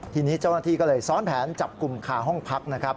ทีนี้เจ้าหน้าที่ก็เลยซ้อนแผนจับกลุ่มคาห้องพักนะครับ